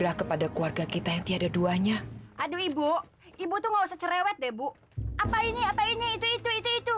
apa ini apa ini itu itu itu itu